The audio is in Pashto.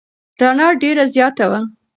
رڼا ډېره زیاته وه.